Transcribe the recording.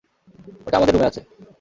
ওটা আমাদের রুমে আছে।